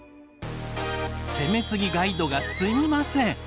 攻めすぎガイドがすみません。